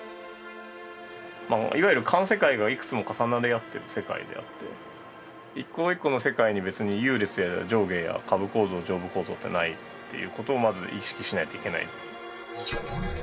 いわゆる環世界がいくつも重なり合ってる世界であって一個一個の世界に別に優劣や上下や下部構造上部構造ってないっていうことをまず意識しないといけない。